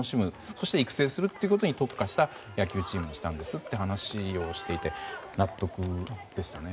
そして育成するということに特化した野球チームにしたという話をしていて納得でしたね。